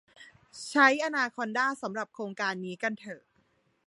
ใช้อนาคอนดาสำหรับโครงการนี้กันเถอะ